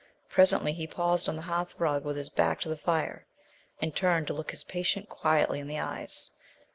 Presently he paused on the hearthrug, with his back to the fire, and turned to look his patient quietly in the eyes.